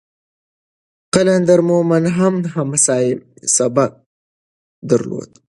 قلندر مومند هم حماسي سبک درلود.